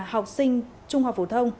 học sinh trung học phổ thông